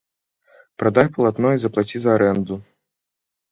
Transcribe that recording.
Прадай палатно і заплаці за арэнду.